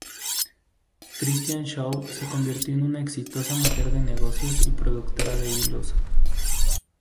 Christian Shaw se convirtió en una exitosa mujer de negocios y productora de hilos.